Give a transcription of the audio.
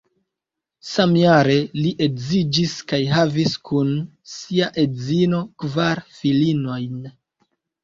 Samjare li edziĝis kaj havis kun sia edzino kvar filinojn.